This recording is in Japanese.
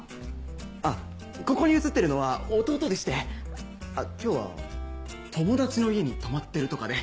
あっここに写ってるのは弟でして今日は友達の家に泊まってるとかで。